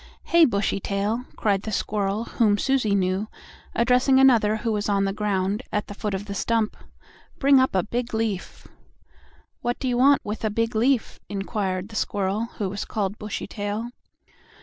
"Hey, Bushytail!" cried the squirrel whom Susie knew, addressing another who was on the ground at the foot of the stump, "bring up a big leaf." "What do you want with a big leaf?" inquired the squirrel who was called Bushytail.